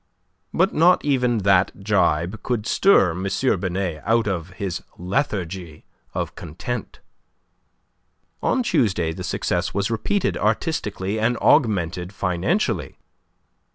But not even that gibe could stir M. Binet out of his lethargy of content. On Tuesday the success was repeated artistically and augmented financially.